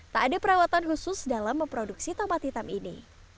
tak ada perawatan khusus dalam memproduksi tomat hitam ini